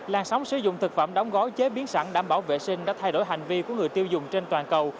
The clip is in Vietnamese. làn sóng sử dụng thực phẩm đóng gói chế biến sẵn đảm bảo vệ sinh đã thay đổi hành vi của người tiêu dùng trên toàn cầu